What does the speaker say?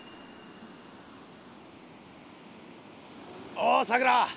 おうさくら！